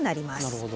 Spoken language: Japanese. なるほど。